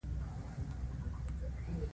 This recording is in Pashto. چې بېواكه مې په لوړ ږغ وويل.